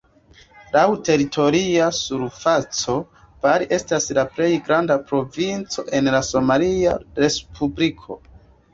Laŭ teritoria surfaco, Bari estas la plej granda provinco en la somalia respubliko.